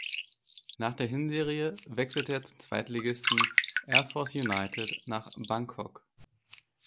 Nach der Hinserie wechselte er zum Zweitligisten Air Force United nach Bangkok.